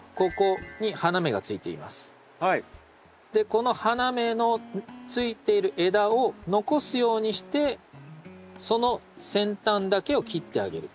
この花芽のついている枝を残すようにしてその先端だけを切ってあげる。